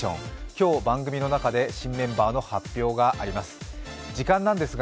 今日、番組の中で新メンバーの発表があります。